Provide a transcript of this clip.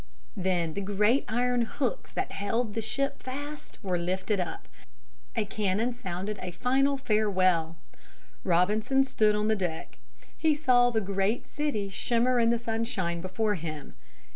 Then the great iron hooks that held the ship fast were lifted up, a cannon sounded a final farewell. Robinson stood on the deck. He saw the great city shimmer in the sunshine before him.